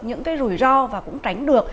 những cái rủi ro và cũng tránh được